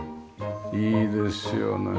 いいですよね。